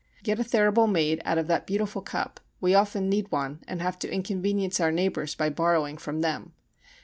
Get a thurible made out of that beautiful cup; we often need one and have to inconvenience our neighbours by borrowing from them.